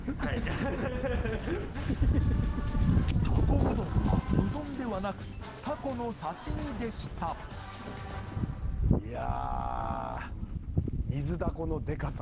たこうどんはうどんではなくタコの刺身でしたいや。